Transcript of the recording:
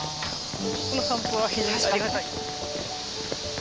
この散歩は非常にありがたい。